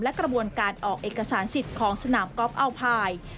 กระบวนการออกเอกสารสิทธิ์ของสนามกอล์อัลพาย